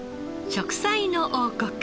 『食彩の王国』。